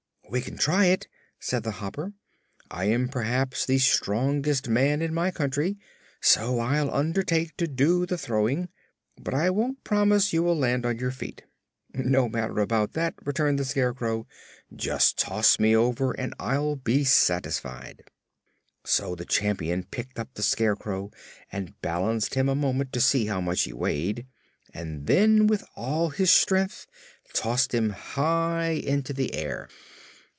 "We can try it," said the Hopper. "I am perhaps the strongest man in my country, so I'll undertake to do the throwing. But I won't promise you will land on your feet." "No matter about that," returned the Scarecrow. "Just toss me over and I'll be satisfied." So the Champion picked up the Scarecrow and balanced him a moment, to see how much he weighed, and then with all his strength tossed him high into the air.